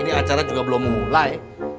ini acara juga belum memulai